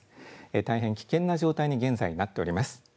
大変危険な状態に現在、なっております。